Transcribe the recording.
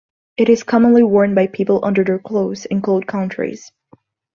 It is commonly worn by people under their clothes in cold countries.